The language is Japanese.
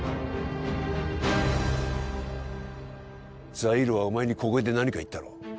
ザイールはお前に小声で何か言ったろ？